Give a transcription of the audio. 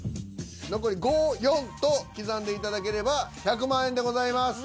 残り５４と刻んでいただければ１００万円でございます。